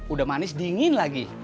udah manis dingin lagi